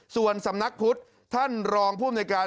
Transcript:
ส่วนสำนักพุทธท่านรองภูมิในการ